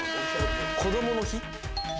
こどもの日。